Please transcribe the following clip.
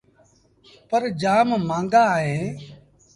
پر جآم مآݩگآ اهيݩ ۔